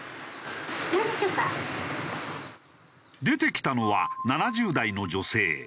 出てきたのは７０代の女性。